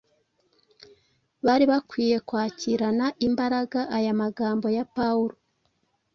bari bakwiye kwakirana imbaraga aya magambo ya Pawulo: